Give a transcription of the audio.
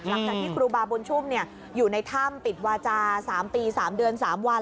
หลังจากที่ครูบาบุญชุ่มอยู่ในถ้ำปิดวาจา๓ปี๓เดือน๓วัน